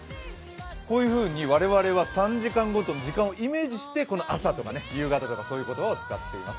こういうふうに我々は、３時間ごとに時間をイメージして、朝とか夕方という言葉を使っています。